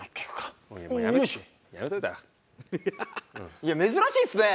いや珍しいっすね！